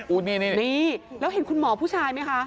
นี่แล้วเห็นคุณหมอผู้ชายไหมคะ